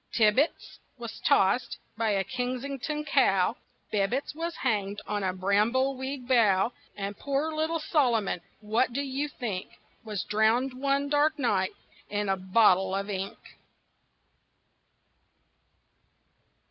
Tibbitts was tossed by a Kensington cow, Bibbitts was hanged on a brambleweed bough, And poor little Solomon what do you think? Was drowned one dark night in a bottle of ink.